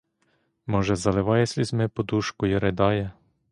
Може заливає слізьми подушку й ридає?